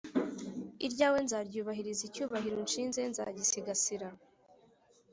iryawe nzaryubahiriza icyubahiro unshinze nzagisigasira,